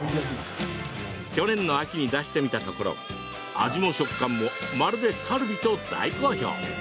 去年の秋に出してみたところ味も食感もまるでカルビと大好評。